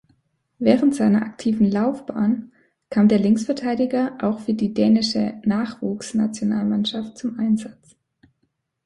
Während seiner aktiven Laufbahn kam der Linksverteidiger auch für die dänischen Nachwuchsnationalmannschaften zum Einsatz.